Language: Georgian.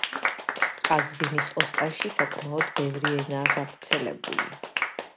ყაზვინის ოსტანში საკმაოდ ბევრი ენაა გავრცელებული.